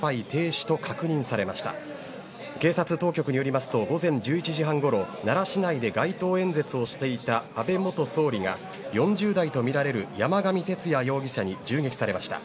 警察当局によりますと午前１１時半ごろ奈良市内で街頭演説をしていた安倍元総理が４０代とみられる山上徹也容疑者に銃撃されました。